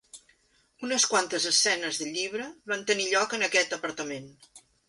Unes quantes escenes del llibre van tenir lloc en aquest apartament.